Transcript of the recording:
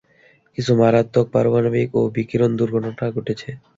কিছু মারাত্মক পারমাণবিক ও বিকিরণ দুর্ঘটনা ঘটেছে।